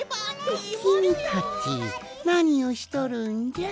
きみたちなにをしとるんじゃ？